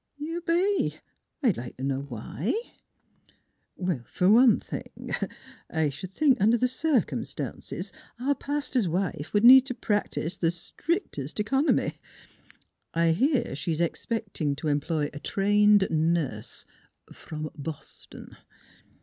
" You be? I'd like t' know why? "" Per one thing, I sh'd think under the cir cum stances our pastor's wife would need t' prac tice th' NEIGHBORS 19 strict est economy. I hear she is expecting to em ploy a trained nurse from Bos ton."